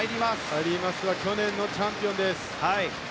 カイリー・マスは去年のチャンピオンです。